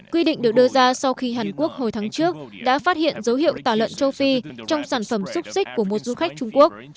quy định được đưa ra sau khi hàn quốc hồi tháng trước đã phát hiện dấu hiệu tả lợn châu phi trong sản phẩm xúc xích của một du khách trung quốc